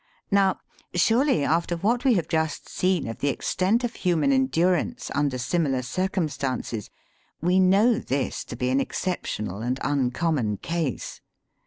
Now, surely after what we have just seen of the extent of human endurance under similar circumstances, we know this to be an exceptional and uncommon case.